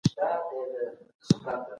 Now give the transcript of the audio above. دا کالي دي نوي دي.